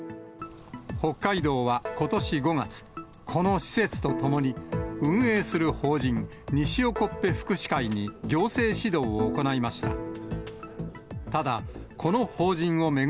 北海道はことし５月、この施設とともに、運営する法人、にしおこっぺ福祉会に行政指導を行いました。